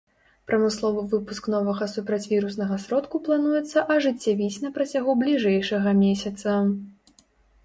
Прамысловы выпуск новага супрацьвіруснага сродку плануецца ажыццявіць на працягу бліжэйшага месяца.